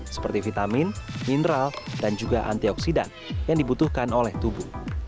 seperti vitamin mineral dan juga antioksidan yang dibutuhkan oleh tubuh